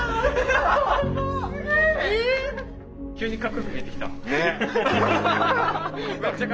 急にかっこよく見えてきた。ね！